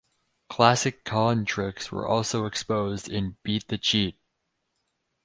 Classic con tricks were also exposed in "Beat the Cheat".